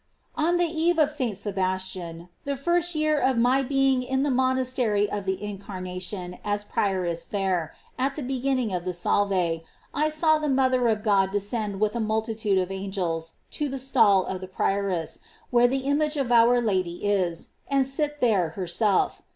On the eve of S. Sebastian, the first year of my being in the monastery of the Incarnation^ as ^£ady°^ prioress there, at the beginning of the Salve, I saw the Mother of God descend with a multitude of angels to the stall of the prioress, where the image of our Lady is, and sit there herself.